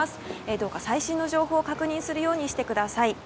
どうか最新の情報を確認するようにしてください。